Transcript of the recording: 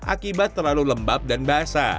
akibat terlalu lembab dan basah